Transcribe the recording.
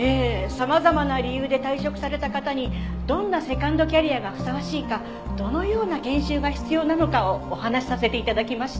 様々な理由で退職された方にどんなセカンドキャリアがふさわしいかどのような研修が必要なのかをお話しさせて頂きました。